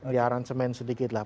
di aransemen sedikit lah